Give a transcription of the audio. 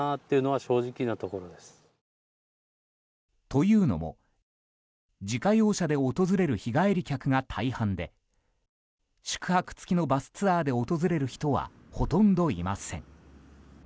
というのも、自家用車で訪れる日帰り客が大半で宿泊付きのバスツアーで訪れる人はほとんどいません。